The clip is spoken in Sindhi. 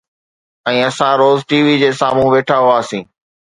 ۽ اسان روز ٽي وي جي سامهون ويٺا هئاسين